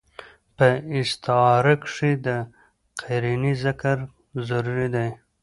په استعاره کښي د قرينې ذکر ضروري دئ.